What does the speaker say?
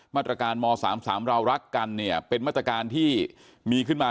มาตรการม๓๓เรารักกันเนี่ยเป็นมาตรการที่มีขึ้นมา